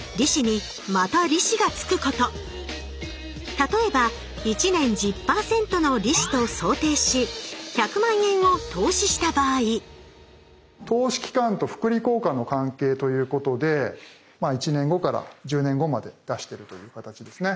例えば１年１０％の利子と想定し１００万円を投資した場合投資期間と複利効果の関係ということで１年後から１０年後まで出してるという形ですね。